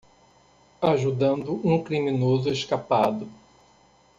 Ajudando um criminoso escapado.